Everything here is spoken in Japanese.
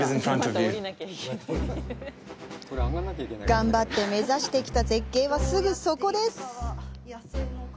頑張って目指してきた絶景はすぐそこです！